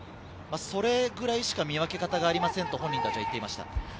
それぐらいしか見分け方がありませんと本人達は言っていました。